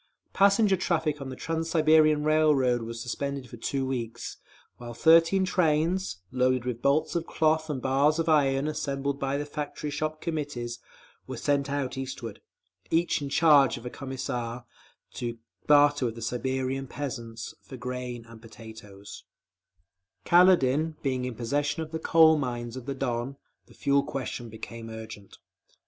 _ Passenger traffic on the Trans Siberian Railroad was suspended for two weeks, while thirteen trains, loaded with bolts of cloth and bars of iron assembled by the Factory Shop Committees, were sent out eastward, each in charge of a Commissar, to barter with the Siberian peasants for grain and potatoes…. Kaledin being in possession of the coal mines of the Don, the fuel question became urgent.